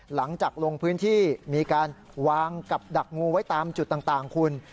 หลังจากลงพื้นที่มีการวางกับดักงูไว้ตามจุดต่างคุณ